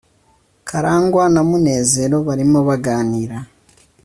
Karangwa na Munezero barimo baganira